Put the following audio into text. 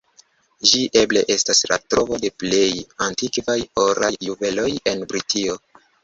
Ĝi eble estas la trovo de plej antikvaj oraj juveloj en Britio.